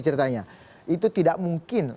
ceritanya itu tidak mungkin